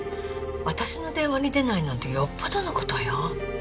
私の電話に出ないなんてよっぽどのことよ